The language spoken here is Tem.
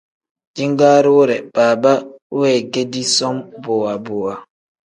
Jingaari wire baaba weegedi som bowa bowa.